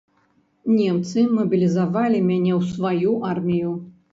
Немцы мабілізавалі мяне ў сваю армію.